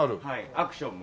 アクションも。